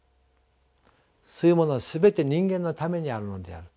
そういうものは全て人間のためにあるのである。